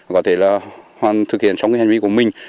có thể thực hiện trong hành vi của mình